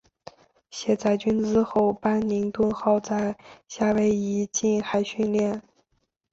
卸载军资后班宁顿号在夏威夷近海训练。